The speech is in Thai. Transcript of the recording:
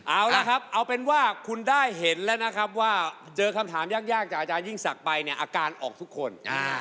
เอาละครับเอาเป็นว่าคุณได้เห็นแล้วนะครับว่าเจอคำถามยากจากอาจารยิ่งศักดิ์ไปเนี่ยอาการออกทุกคน